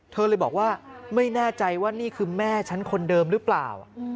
เธอเลยบอกว่าไม่แน่ใจว่านี่คือแม่ฉันคนเดิมหรือเปล่า